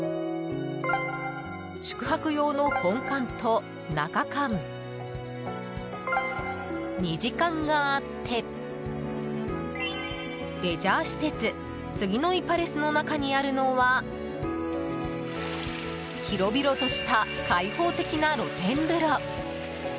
宿泊用の本館と中館虹館があってレジャー施設スギノイパレスの中にあるのは広々とした開放的な露天風呂。